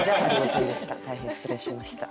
大変失礼しました。